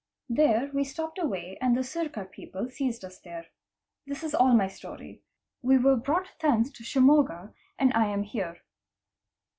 There we stopped / away and the Sirear people seized us there. This is all my story. We were brought thence to Shimoga, and I am here.